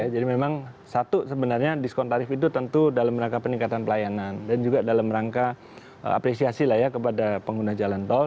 jadi memang satu sebenarnya diskon tarif itu tentu dalam rangka peningkatan pelayanan dan juga dalam rangka apresiasi lah ya kepada pengguna jalan tol